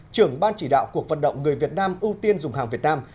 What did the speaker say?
trưởng ban chỉ đạo cuộc vận động người việt nam ưu tiên dùng hàng việt nam